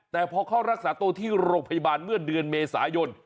แต่พอเข้ารักษาตัวที่โรงพยาบาลเมื่อเดือนเมษายน